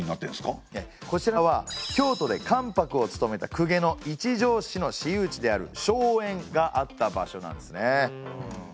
こちらは京都で関白を務めた公家の一条氏の私有地である荘園があった場所なんですね。